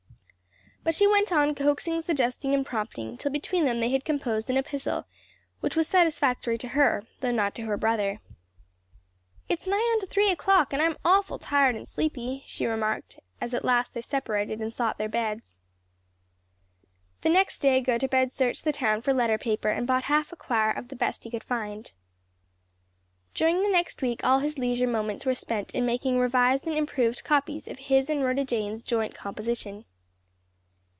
But she went on coaxing, suggesting and prompting, till between them they had composed an epistle which was satisfactory to her though not to her brother. "It's nigh onto three o'clock, and I'm awful tired and sleepy," she remarked, as at last they separated and sought their beds. The next day Gotobed searched the town for letter paper and bought half a quire of the best he could find. During the next week all his leisure moments were spent in making revised and improved copies of his and Rhoda Jane's joint composition.